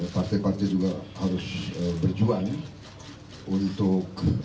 partai partai juga harus berjuang untuk